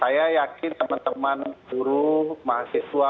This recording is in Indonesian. saya yakin teman teman guru mahasiswa masyarakat turun ke jalan sangat murni ya